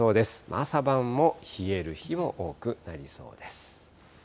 朝晩も冷える日も多くなりそうです。